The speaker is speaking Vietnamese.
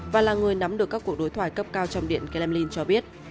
và là người nắm được các cuộc đối thoại cấp cao trong điện kremlin cho biết